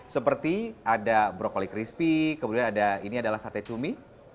seperti ada brokoli crispy kemudian ada sate cumi